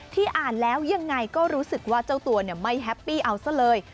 อ่านแล้วยังไงก็รู้สึกว่าเจ้าตัวไม่แฮปปี้เอาซะเลย